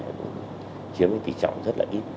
và chiếm kỳ trọng rất là ít